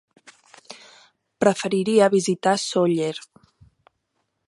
Preferiria visitar Sóller.